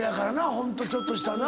ホントちょっとしたな。